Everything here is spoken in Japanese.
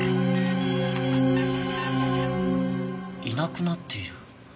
いなくなっている。